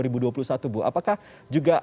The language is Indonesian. dua ribu dua puluh satu bu apakah juga